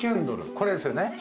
これですよね。